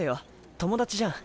友達じゃん。